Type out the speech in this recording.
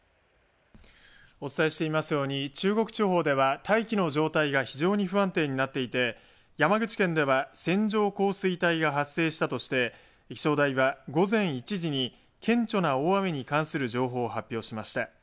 お伝えしていますように中国地方では大気の状態が非常に不安定になっていて山口県では線状降水帯が発生したとして気象台は午前１時に顕著な大雨に関する情報を発表しました。